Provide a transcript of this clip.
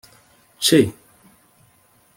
ce